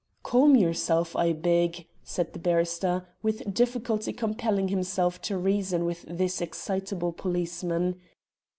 "Calm yourself, I beg," said the barrister, with difficulty compelling himself to reason with this excitable policeman.